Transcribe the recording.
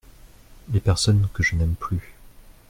Les personnes que je n’aime plus.